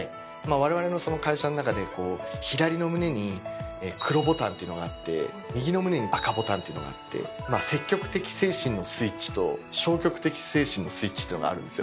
われわれの会社の中で左の胸に黒ボタンっていうのがあって右の胸に赤ボタンっていうのがあって積極的精神のスイッチと消極的精神のスイッチというのがあるんですよ。